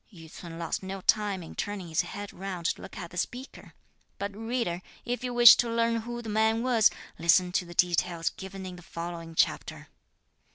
Yü ts'un lost no time in turning his head round to look at the speaker. But reader, if you wish to learn who the man was, listen to the details given in the following chapter.